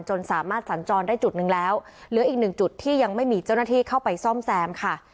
สามารถสัญจรได้จุดหนึ่งแล้วเหลืออีกหนึ่งจุดที่ยังไม่มีเจ้าหน้าที่เข้าไปซ่อมแซมค่ะ